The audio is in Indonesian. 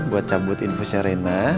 buat cabut infusnya reina